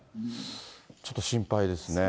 ちょっと心配ですね。